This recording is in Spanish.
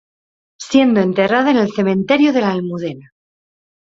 Siendo enterrada en el Cementerio de La Almudena.